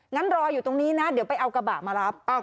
งั้นรออยู่ตรงนี้นะเดี๋ยวไปเอากระบะมารับ